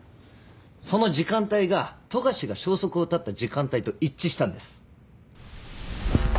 その時間帯が富樫が消息を絶った時間帯と一致したんです。